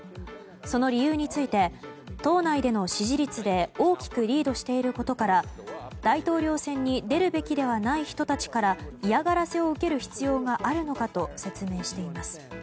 その理由について党内での支持率で大きくリードしていることから大統領選に出るべきではない人たちから嫌がらせを受ける必要があるのかと説明しています。